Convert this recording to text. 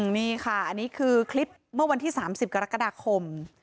นี่ค่ะอันนี้คือคลิปเมื่อวันที่๓๐กรกฎาคม